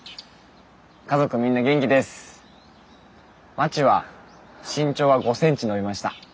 まちは身長が５センチ伸びました。